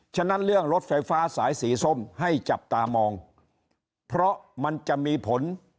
ฉะนั้นเรื่องรถไฟฟ้าสายสีส้มให้จับตามองเพราะมันจะมีผล